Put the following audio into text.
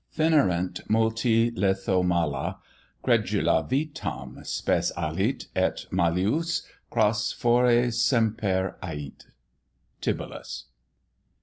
Finirent multi letho mala; credula vitam Spes alit, et melius cras fore semper ait. TIBULLUS.